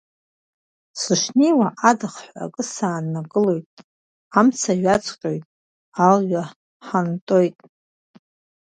Сышнеиуа, адыхҳәа акы сааннакылоит, амца ҩаҵҟьоит, алҩа ҳантоит.